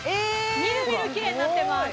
みるみるキレイになってます